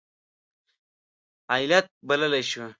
علت بللی شو.